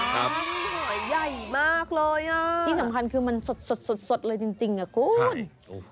อ๋อหอยใหญ่มากเลยอ่ะที่สำคัญคือมันสดเลยจริงอ่ะคุณใช่โอ้โห